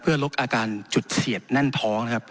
ลดอาการจุดเสียดแน่นท้องนะครับ